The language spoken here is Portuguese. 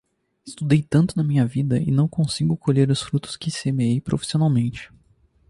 Estudei tanto na minha vida, e não consigo colher os frutos que semeei, profissionalmente.